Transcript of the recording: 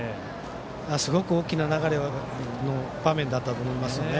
すごく大きな流れの場面だったと思いますね。